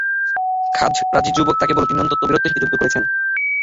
খাযরাজী যুবক তাকে বলল, তিনি অত্যন্ত বীরত্বের সাথে যুদ্ধ করেছেন।